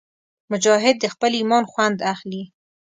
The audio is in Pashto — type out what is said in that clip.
مجاهد د خپل ایمان خوند اخلي.